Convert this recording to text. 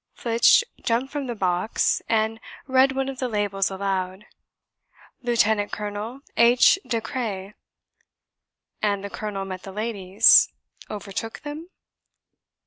Flitch jumped from the box and read one of the labels aloud: "Lieutenant Colonel H. De Craye." "And the colonel met the ladies? Overtook them?"